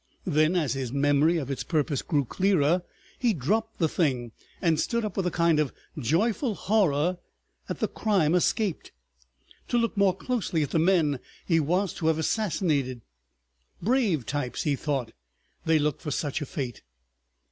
Then, as his memory of its purpose grew clearer, he dropped the thing, and stood up with a kind of joyful horror at the crime escaped, to look more closely at the men he was to have assassinated. "Brave types," he thought, they looked for such a fate.